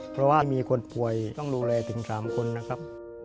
เพราะว่ามีคนป่วยต้องดูแลถึง๓คนนะครับ